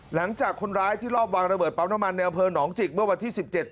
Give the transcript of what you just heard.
หลังจากคนร้ายที่รอบวางระเบิดปั๊มน้ำมันในอำเภอหนองจิกเมื่อวันที่๑๗